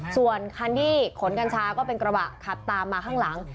ส่วนคันที่ขนกัญชาก็เป็นกระบะขับตามมาข้างหลัง